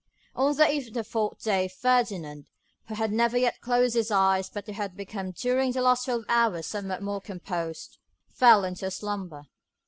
On the eve of the fourth day Ferdinand, who had never yet closed his eyes, but who had become during the last twelve hours somewhat more composed, fell into a slumber.